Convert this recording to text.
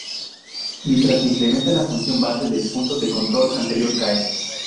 Mientras se incrementa, la función base del punto de control anterior cae.